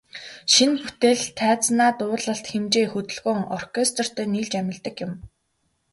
Шинэ бүтээл тайзнаа дуулалт, хэмжээ, хөдөлгөөн, оркестертэй нийлж амилдаг юм.